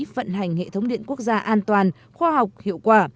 vận hành hệ thống điện quốc gia an toàn khoa học hiệu quả